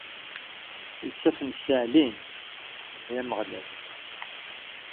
Isaffen ssaɛlin, ay Ameɣlal.